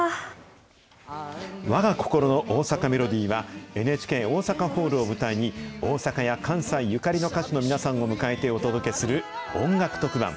わが心の大阪メロディーは、ＮＨＫ大阪ホールを舞台に、大阪や関西ゆかりの歌手の皆さんを迎えてお届けする音楽特番。